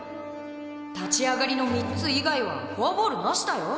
立ち上がりの３つ以外はフォアボールなしだよ。